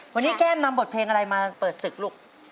วันนี้แก้มนำบทเพลงอะไรมาเปิดศึกลูก